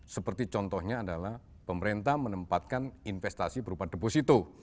seperti contohnya adalah pemerintah menempatkan investasi berupa deposito